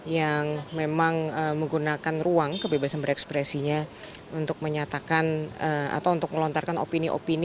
yang memang menggunakan ruang kebebasan berekspresinya untuk menyatakan atau untuk melontarkan opini opini